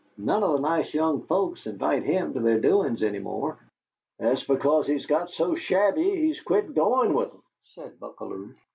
None of the nice young folks invite him to their doin's any more." "That's because he's got so shabby he's quit goin' with em," said Buckalew.